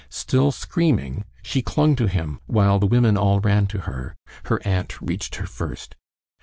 Still screaming, she clung to him, while the women all ran to her. Her aunt reached her first.